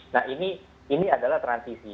nah ini adalah transisi